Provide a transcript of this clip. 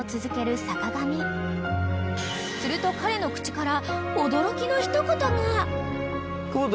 ［すると彼の口から］